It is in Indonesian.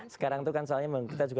sekarang itu kan soalnya kita juga